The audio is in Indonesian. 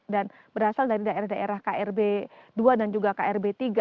dan berasal dari daerah daerah krb dua dan juga krb tiga